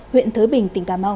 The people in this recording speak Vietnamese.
huyện thới bình